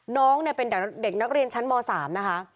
น้องเนี่ยเป็นเด็กนักเรียนชั้นม๓นะคะ